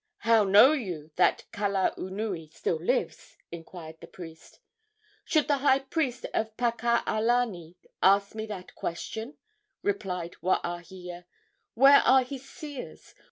"How know you that Kalaunui still lives?" inquired the priest. "Should the high priest of Pakaalani ask me that question?" replied Waahia. "Where are his seers?